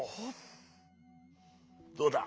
どうだ？